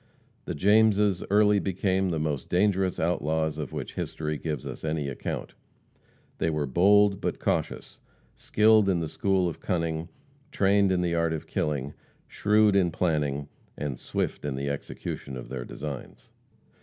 The Jameses early became the most dangerous outlaws of which history gives us any account. They were bold, but cautious; skilled in the school of cunning; trained in the art of killing; shrewd in planning, and swift in the execution of their designs.